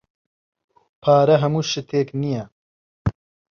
پارە ھەموو شتێک نییە.